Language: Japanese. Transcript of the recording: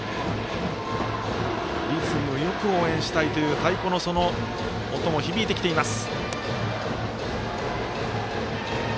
リズムよく応援したいという太鼓の音も響いてきています。